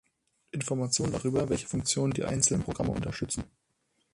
Information darüber, welche Funktionen die einzelnen Programme unterstützen.